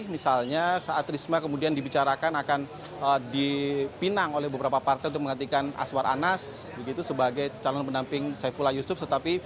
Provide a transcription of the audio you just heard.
misalnya saat risma kemudian dibicarakan akan dipinang oleh beberapa partai untuk menggantikan aswar anas sebagai calon pendamping saifullah yusuf